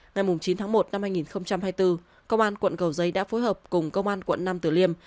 ngày chín tháng một năm hai nghìn hai mươi bốn công an quận cầu giấy đã phối hợp cùng công an quận nam tử liêm